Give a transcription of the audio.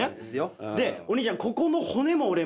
でお兄ちゃんここの骨も折れましてね